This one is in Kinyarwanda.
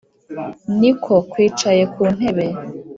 Ni ko kwicaye ku ntebe